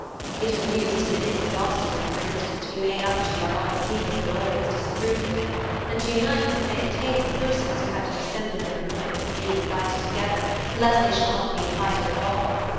It amused him inexhaustibly, for instance, to be made up to by all the people who had always disapproved of him, and to unite at the same table persons who had to dissemble their annoyance at being invited together lest they should not be invited at all.